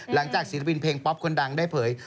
หลังจากศิลปินเพลงป๊อปคนดังได้เผย